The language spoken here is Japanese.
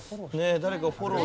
誰かフォロー。